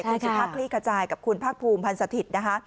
ขุมชัยภาคลี่ขจายกับคุณภาคภูมิพันธ์สถิตย์